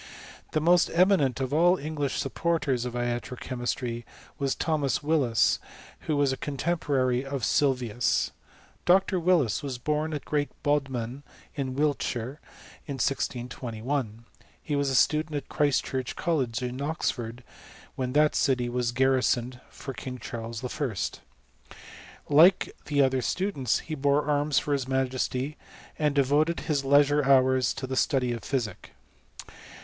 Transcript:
The most eminent ef. all the English supporters of iatro ehemistry was lliomas Willis, who was a contemporary of Sylvius. Dr. Willis was bom at Great Boidmin, in Wiltshire, IB 1621. He was a student at Christchurch College, in Oxford, when that city was garrisoned for King Charies I. like the other students, he bore arms for his Majesty, and devoted his leisure hours to the study of physic.